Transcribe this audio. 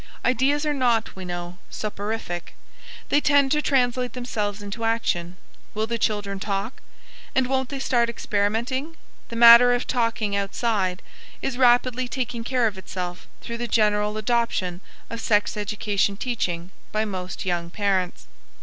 Ideas are not, we know, soporific. They tend to translate themselves into action. Will the children talk? And won't they start experimenting? The matter of "talking outside" is rapidly taking care of itself through the general adoption of sex education teaching by most young parents.